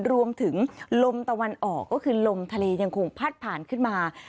รวมถึงลมตะวันออกก็คือลมทะเลยังคงพัดผ่านขึ้นมา